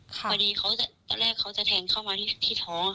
ตอนแรกเค้าจะทางเข้ามาที่ท้องค่ะ